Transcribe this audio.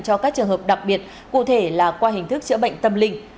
cho các trường hợp đặc biệt cụ thể là qua hình thức chữa bệnh tâm linh